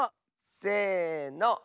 せの。